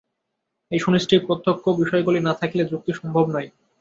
এই সুনিশ্চিত প্রত্যক্ষ বিষয়গুলি না থাকিলে যুক্তি সম্ভব নয়।